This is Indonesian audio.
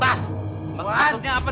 terima kasih ya bang